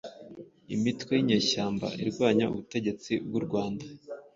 imitwe y'inyeshyamba irwanya ubutegetsi bw'u Rwanda.